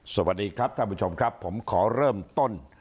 สวัสดีครับท่านผู้ชมครับผมขอเริ่มต้น